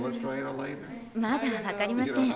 まだ分かりません。